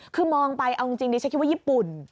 คือมองไปเอาจริงดิฉันคิดว่าญี่ปุ่น